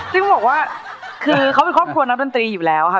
ซึ่งต้องบอกว่าคือเขาเป็นครอบครัวนักดนตรีอยู่แล้วค่ะ